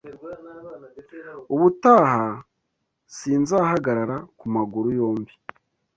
Ubutaha si nzahagarara kumaguru yombi